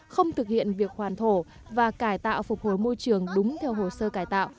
không thực hiện việc hoàn thổ và cải tạo phục hồi môi trường đúng theo hồ sơ cải tạo